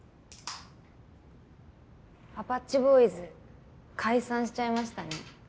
アパッチボーイズ解散しちゃいましたね。